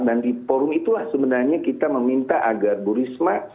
dan di forum itulah sebenarnya kita meminta agar bu risma